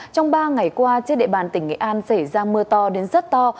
trong ba ngày qua trên địa bàn tỉnh nghệ an xảy ra mưa to đến rất to